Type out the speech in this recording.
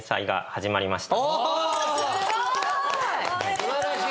すごい！